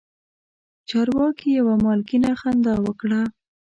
چارواکي یوه مالګینه خندا وکړه.